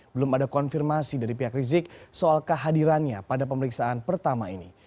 belum ada konfirmasi dari pihak rizik soal kehadirannya pada pemeriksaan pertama ini